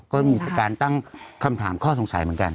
ก็มีการตั้งคำถามข้อสงสัยเหมือนกัน